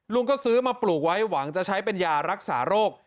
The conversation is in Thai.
ลุงก็ซื้อมาปลูกไว้หวังจะใช้เป็นยารักษาโรค